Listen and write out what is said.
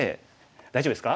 大丈夫ですか？